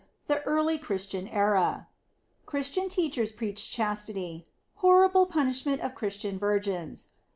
THE EARLY CHRISTIAN ERA. Christian Teachers preach Chastity. Horrible Punishment of Christian Virgins.